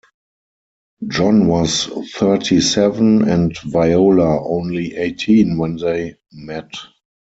John was thirty-seven and Viola only eighteen when they met.